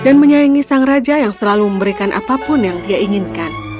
dan menyayangi sang raja yang selalu memberikan apapun yang dia inginkan